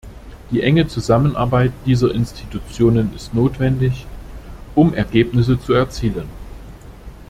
Die enge Zusammenarbeit dieser Institutionen ist notwendig, um Ergebnisse zu erzielen.